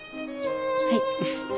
はい。